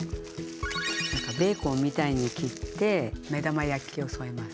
何かベーコンみたいに切って目玉焼きを添えます。